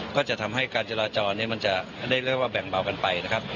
ก็จะทำให้การจราจรมันจะได้เรียกว่าแบ่งเบากันไปนะครับ